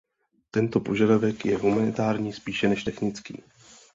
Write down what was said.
Tento požadavek je humanitární spíše než technický.